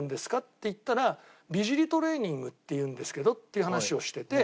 って言ったら美尻トレーニングっていうんですけどっていう話をしてて。